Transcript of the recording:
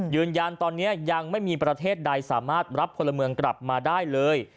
ยืนยันตอนนี้ยังไม่มีประเทศใดสามารถรับพลเมืองกลับมาได้เลย